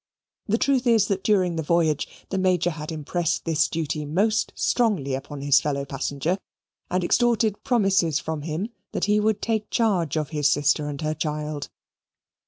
The truth is that during the voyage the Major had impressed this duty most strongly upon his fellow passenger and extorted promises from him that he would take charge of his sister and her child.